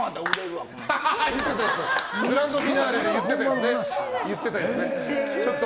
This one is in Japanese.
グランドフィナーレで言ってたやつね。